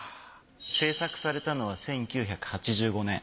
制作されたのは１９８５年。